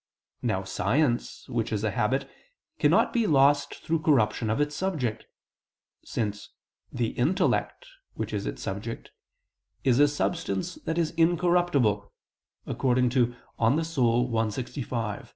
Now science, which is a habit, cannot be lost through corruption of its subject: since "the intellect," which is its subject, "is a substance that is incorruptible" (De Anima i, text. 65).